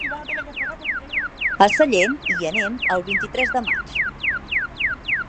A Sellent hi anem el vint-i-tres de maig.